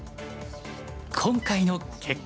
今回の結果は？